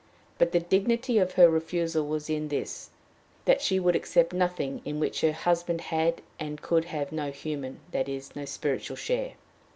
But the dignity of her refusal was in this that she would accept nothing in which her husband had and could have no human, that is, no spiritual share.